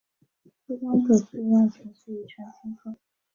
徽章的最外层是一圈金色。